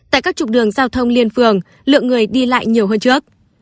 tại các trục đường giao thông liên phường lượng người đi lại nhiều hơn trước